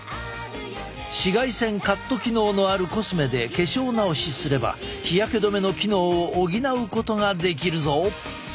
紫外線カット機能のあるコスメで化粧直しすれば日焼け止めの機能を補うことができるぞ。